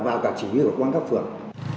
và cả chỉ huy của công an các phường